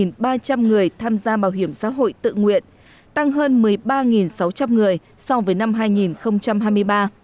gần ba trăm linh người tham gia bảo hiểm xã hội tự nguyện tăng hơn một mươi ba sáu trăm linh người so với năm hai nghìn hai mươi ba